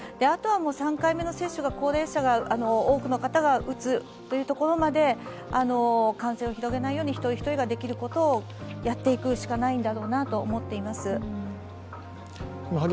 あとは３回目の接種が高齢者、多くの方が打つというのを感染を広げないように、一人一人ができることをやっていくしかないのだろうなと思っています。